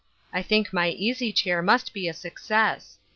I think my easy chair must be a success.